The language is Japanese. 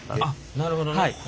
なるほどね。